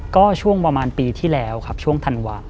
ก็ช่วงประมาณปีที่แล้วครับช่วงธันวาค